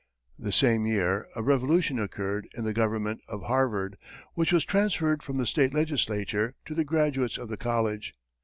The same year, a revolution occurred in the government of Harvard, which was transferred from the state legislature to the graduates of the college.